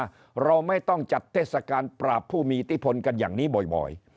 เราไม่ต้องจัดเทศกาลปราบผู้มีอิทธิพลกันอย่างนี้บ่อย